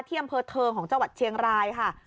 อำเภอเทิงของจังหวัดเชียงรายค่ะ